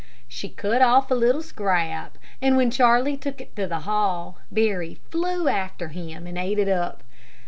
She cut off a little scrap, and when Charlie took it to the hall, Barry flew after him, and ate it up.